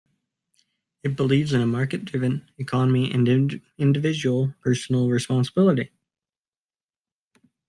It believes in a market-driven economy and individual personal responsibility.